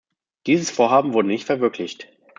Dieses Vorhaben wurde nicht verwirklicht.